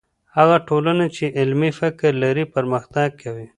هغه ټولنه چې علمي فکر لري، پرمختګ کوي.